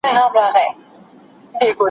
زه پرون د سبا لپاره د هنرونو تمرين کوم!.